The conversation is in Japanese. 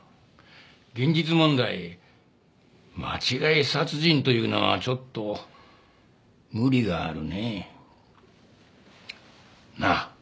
現実問題間違い殺人というのはちょっと無理があるね。なあ？